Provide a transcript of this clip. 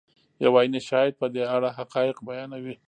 یو عیني شاهد په دې اړه حقایق بیانوي.